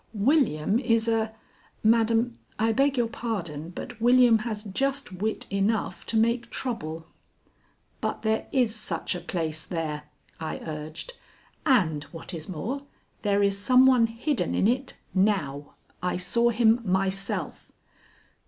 "William is a Madam, I beg your pardon, but William has just wit enough to make trouble." "But there is such a place there," I urged; "and, what is more, there is some one hidden in it now. I saw him myself."